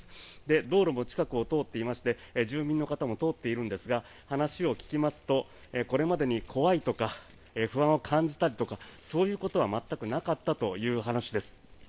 道路も近くを通っていまして住民の方も通っているんですが話を聞きますと、これまでに怖いとか不安を感じたりとかそういうことは全くなかったという話です。